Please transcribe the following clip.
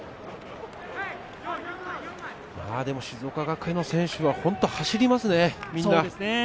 静岡学園の選手は本当に走りますね、みんな。